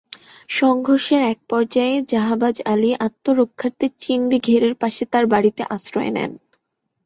সংঘর্ষের একপর্যায়ে জাহাবাজ আলী আত্মরক্ষার্থে চিংড়ি ঘেরের পাশে তাঁর বাড়িতে আশ্রয় নেন।